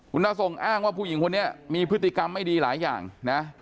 คุณน้าส่งอ้างว่าผู้หญิงคนนี้มีพฤติกรรมไม่ดีหลายอย่างนะ